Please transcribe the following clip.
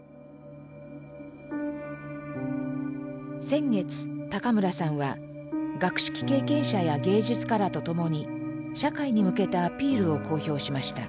先月村さんは学識経験者や芸術家らと共に社会に向けたアピールを公表しました。